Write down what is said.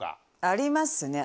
ありますね。